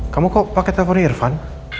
kamu kok pake teleponnya irfan